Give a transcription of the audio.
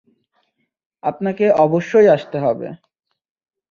আপনাকে অবশ্যই আসতে হবে।